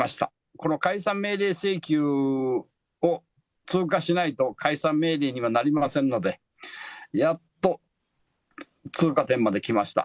この解散命令請求を通過しないと、解散命令にはなりませんので、やっと通過点まで来ました。